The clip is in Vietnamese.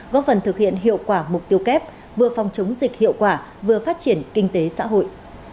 góp phần thực hiện hiệu quả mục tiêu kép vừa phòng chống dịch hiệu quả vừa phát triển kinh tế xã hội